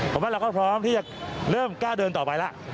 ผมว่าเราก็พร้อมที่จะเริ่มกล้าเดินต่อไปแล้ว